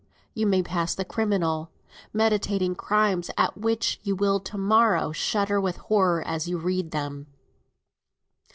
You may pass the criminal, meditating crimes at which you will to morrow shudder with horror as you read them.